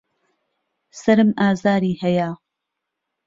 سەرم ئازاری هەیە.